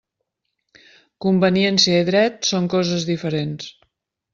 Conveniència i dret són coses diferents.